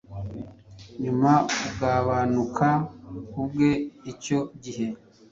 Nyuma kugabanuka ubwe icyo gihe